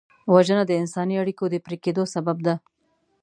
وژنه د انساني اړیکو د پرې کېدو سبب ده